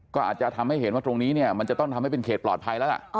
ก็อาจจะทำให้เห็นว่าตรงนี้เนี่ยมันจะต้องทำให้เป็นเขตปลอดภัยแล้วล่ะ